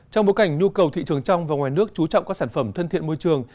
trong bối cảnh nhu cầu thị trường trong và ngoài nước chú trọng các sản phẩm thân thiện môi trường